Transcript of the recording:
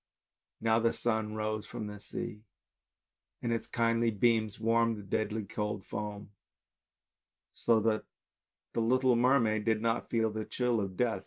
Now the sun rose from the sea and with its kindly beams warmed the deadly cold foam, so that the little mermaid did not feel the chill of death.